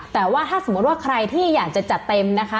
แต่ว่าถ้าสมมติว่าใครที่อยากจะจัดเต็มนะคะ